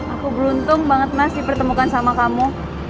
aku beruntung banget mas dipertemukan sama kamu